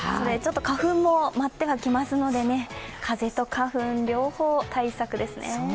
花粉も舞ってはきますので、風と花粉両方、対策ですね。